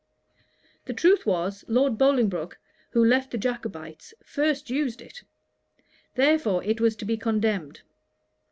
The truth was Lord Bolingbroke, who left the Jacobites, first used it; therefore, it was to be condemned.